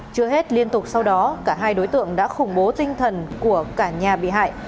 chưa hết liên tục sau đó cả hai đối tượng đã khủng bố tinh thần của cả nhà bị hại